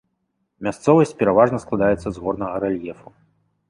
Мясцовасць пераважна складаецца з горнага рэльефу.